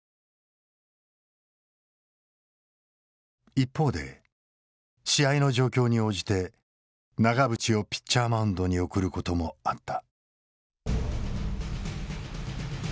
一方で試合の状況に応じて永淵をピッチャーマウンドに送ることもあった。